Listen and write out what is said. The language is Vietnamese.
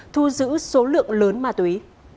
thu giữ số lượng lớn ma túy